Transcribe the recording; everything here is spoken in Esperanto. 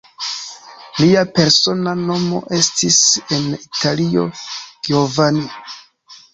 Lia persona nomo estis en Italio Giovanni.